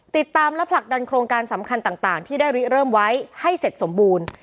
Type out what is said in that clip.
ติดตามและผลักดันโครงการสำคัญต่างที่ได้ริเริ่มไว้ให้เสร็จสมบูรณ์